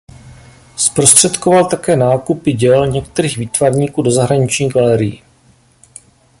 Zprostředkoval také nákupy děl některých výtvarníků do zahraničních galerií.